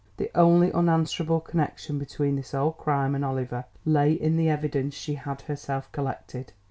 The only unanswerable connection between this old crime and Oliver lay in the evidence she had herself collected.